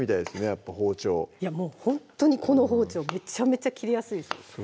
やっぱ包丁もうほんとにこの包丁めちゃめちゃ切りやすいです